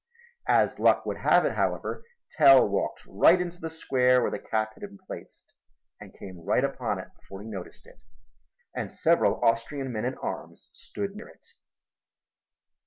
As luck would have it, however, Tell walked right into the square where the cap had been placed and came right upon it before he noticed it. And several Austrian men at arms stood near it.